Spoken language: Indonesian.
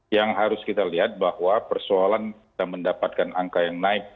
yang harus kita lihat bahwa persoalan kita mendapatkan angka yang naik